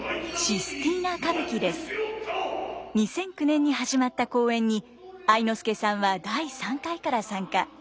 ２００９年に始まった公演に愛之助さんは第３回から参加。